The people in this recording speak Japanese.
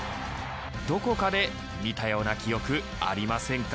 どこかで見たような記憶ありませんか。